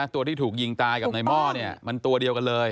ตัวที่ถูกยิงตายกับในหม้อมันตัวเดียวกันเลย